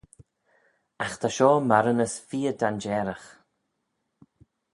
Agh ta shoh marranys feer danjeyragh.